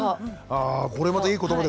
あこれまたいいことばですね。